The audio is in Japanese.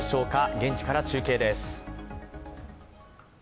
現地から中継です。